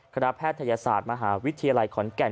แพทยศาสตร์มหาวิทยาลัยขอนแก่น